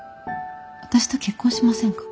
私と結婚しませんか。